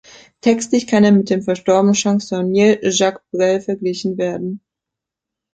Textlich kann er mit dem verstorbenen Chansonnier Jacques Brel verglichen werden.